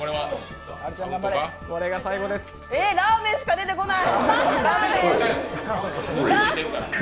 えー、ラーメンしか出てこない。